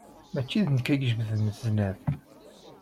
Maci d nekk ay ijebden zznad.